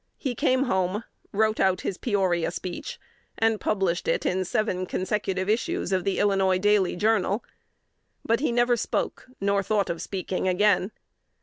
He came home, wrote out his Peoria speech, and published it in seven consecutive issues of "The Illinois Daily Journal;" but he never spoke nor thought of speaking again.